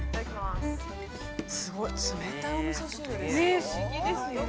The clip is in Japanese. ◆すごい、冷たいおみそ汁ですよ。